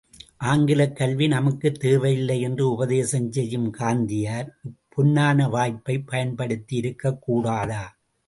ஆங்கிலக் கல்வி நமக்குத் தேவையில்லை என்று உபதேசம் செய்யும் காந்தியார், இப் பொன்னான வாய்ப்பைப் பயன்படுத்தியிருக்கக் கூடாதா?